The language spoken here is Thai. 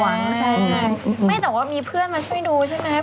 ใช่ไม่แต่ว่ามีเพื่อนมาช่วยดูใช่ไหม